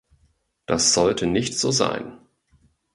Das sollte nicht so sein.